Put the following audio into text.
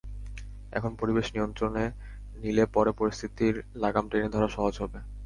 এখনই পরিবেশ নিয়ন্ত্রণে নিলে পরে পরিস্থিতির লাগাম টেনে ধরা সহজ হবে।